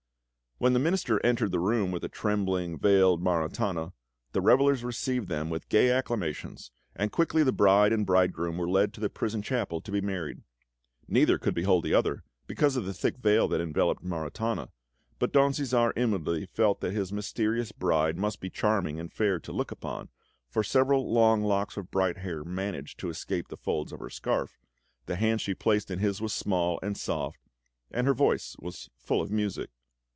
When the Minister entered the room with the trembling, veiled Maritana, the revellers received them with gay acclamations, and quickly the bride and bridegroom were led to the prison chapel to be married. Neither could behold the other, because of the thick veil that enveloped Maritana; but Don Cæsar inwardly felt that his mysterious bride must be charming and fair to look upon, for several long locks of bright hair managed to escape the folds of her scarf, the hand she placed in his was small and soft, and her voice was full of music.